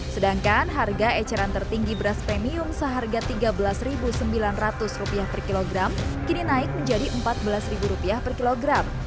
sedangkan harga eceran tertinggi beras premium seharga rp tiga belas sembilan ratus per kilogram kini naik menjadi rp empat belas per kilogram